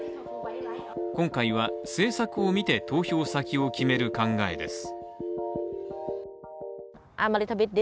今回は、政策を見て投票先を決める考えです。